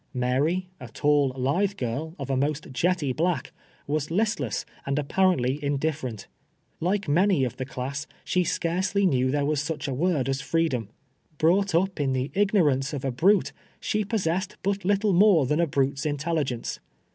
Mary, a tall, lithe girl, of a most jetty black, was listless and apparently indiffer ent. Like many of the class, she scarcely knew there was such a word as freedom. Brought np in the ig norance of a brute, she possessed but little more than a brute's intelligence.